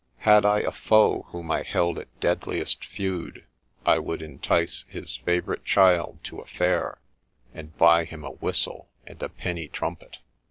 — Had I a foe whom I held at deadliest feud, I would entice his favourite child to a Fair, and buy him a Whistle and a Penny trumpet.